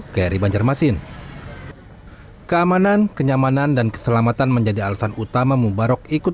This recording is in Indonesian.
kri banjarmasin keamanan kenyamanan dan keselamatan menjadi alasan utama mubarok ikut